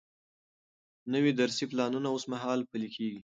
نوي درسي پلانونه اوس مهال پلي کیږي.